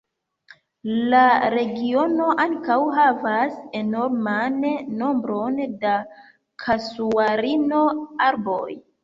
La regiono ankaŭ havas enorman nombron da Kasuarino-arboj.